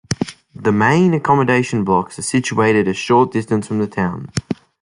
The main accommodation blocks are situated a short distance from the town.